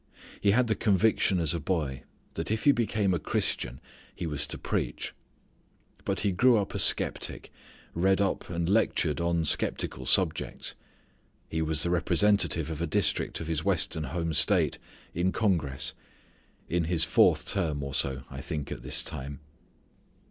He had the conviction as a boy that if he became a Christian he was to preach. But he grew up a skeptic, read up and lectured on skeptical subjects. He was the representative of a district of his western home state in congress; in his fourth term or so I think at this time.